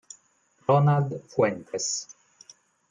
Ronald Fuentes